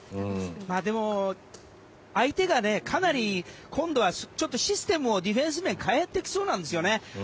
でも、相手がかなり今度はシステムをディフェンス面変えてきそうなんですよね。